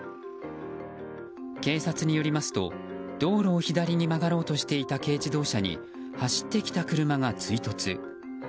警察によりますと道路を左に曲がろうとしていた軽自動車に、走ってきた車が追突。